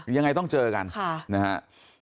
ยังไงต้องเจอกันนะฮะค่ะนะฮะ